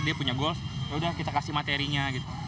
dia punya goals yaudah kita kasih materinya gitu